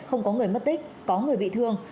không có người mất tích có người bị thương